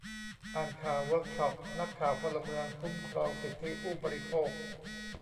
อ่านข่าวเวิร์กช็อปนักข่าวพลเมืองคุ้มครองสิทธิผู้บริโภค